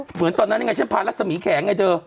เหมือนตอนนั้นยังไงฉันพารัศมีแขนไงเธอ